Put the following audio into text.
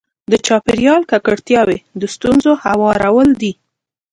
د چاپېریال ککړتیاوې د ستونزو هوارول دي.